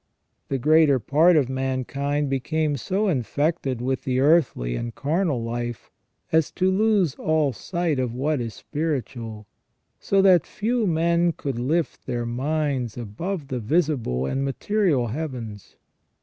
The greater part of mankind became so infected with the earthly and carnal life as to lose all sight of what is spiritual, so that few men could lift their minds above the visible and material heavens.